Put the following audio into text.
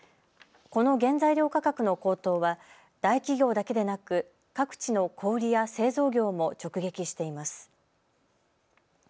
この原材料価格の高騰は大企業だけでなく各地の小売りや製造業も直撃しています。